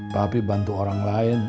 papi bantu orang lain